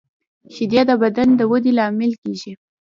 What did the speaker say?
شیدې د بدن د ودې لامل کېږي